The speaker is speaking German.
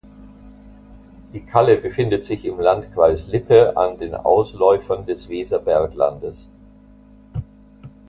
Die Kalle befindet sich im Landkreis Lippe an den Ausläufern des Weserberglandes.